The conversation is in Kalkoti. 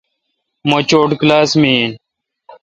مہ چوٹ کلاس می این۔